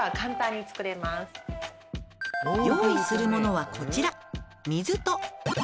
「用意するものはこちら」「水と」